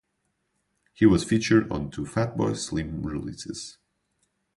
He was featured on two Fatboy Slim releases.